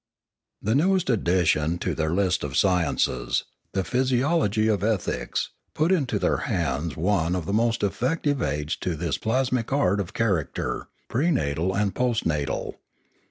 The newest addition to their list of sciences, the physiology of ethics, put into their hands one of the most effective aids to this plasmic art of character, pre natal and postnatal.